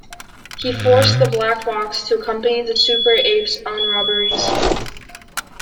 He forced the Black Fox to accompany the Super-Apes on robberies.